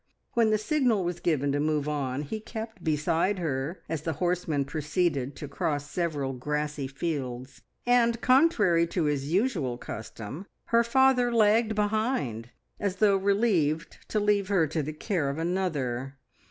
When the signal was given to move on, he kept beside her as the horsemen proceeded to cross several grassy fields; and, contrary to his usual custom, her father lagged behind, as though relieved to leave her to the care of another.